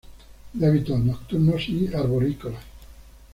De hábitos nocturnos y arborícolas.